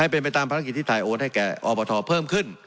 เป็นให้ตามภารกิจถ่ายโอกาสให้ออปทเพิ่มขึ้น